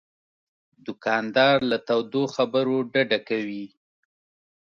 دوکاندار له تودو خبرو ډډه کوي.